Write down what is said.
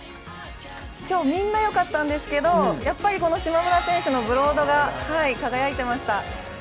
今日、みんなよかったんですけど、やっぱり島村選手のブロードが輝いてました。